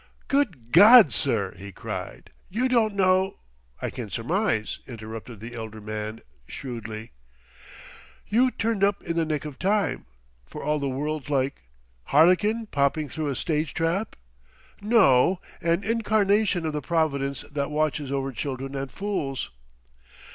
"Good God, sir!" he cried. "You don't know " "I can surmise," interrupted the elder man shrewdly. "You turned up in the nick of time, for all the world like " "Harlequin popping through a stage trap?" "No! an incarnation of the Providence that watches over children and fools."